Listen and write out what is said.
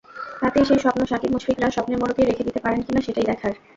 তাতেই সেই স্বপ্ন সাকিব-মুশফিকরা স্বপ্নের মোড়কেই রেখে দিতে পারেন কিনা সেটাই দেখার।